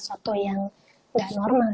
suatu yang gak normal